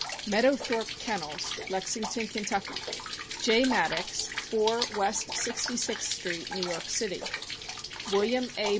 Meadowthorpe Kennels, Lexington, Ky. ; J. Maddox, 4 West Sixty sixth street, New York City; Will iam A.